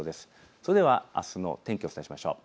それはあすの天気、お伝えしましょう。